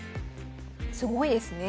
すごいですね。